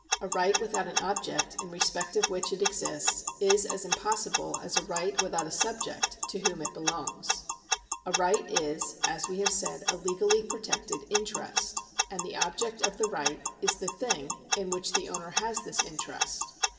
A right without an object in respect of which it exists is as impossible as a right without a subject to whom it belongs. A right is, as we have said, a legally protected interest ; and the object of the right is the thing in which the owner has this interest.